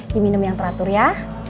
diminum yang teratur ya